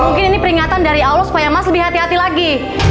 mungkin ini peringatan dari allah supaya mas lebih hati hati lagi